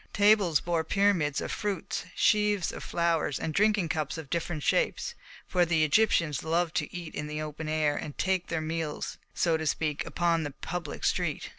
Tables bore pyramids of fruits, sheaves of flowers and drinking cups of different shapes; for the Egyptians love to eat in the open air, and take their meals, so to speak, upon the public street.